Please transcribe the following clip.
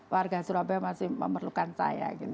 warga surabaya masih memerlukan saya